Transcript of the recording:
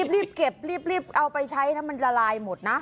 รีบเก็บรีบเอาไปใช้นะมันละลายหมดนะ